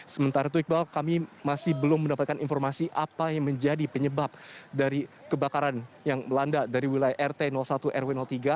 sementara itu iqbal kami masih belum mendapatkan informasi apa yang menjadi penyebab dari kebakaran yang melanda dari wilayah rt satu rw tiga